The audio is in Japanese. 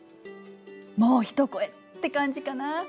もう一声って感じかな。